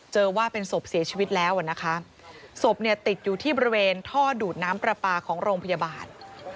ว่าเป็นศพเสียชีวิตแล้วอ่ะนะคะศพเนี่ยติดอยู่ที่บริเวณท่อดูดน้ำปลาปลาของโรงพยาบาล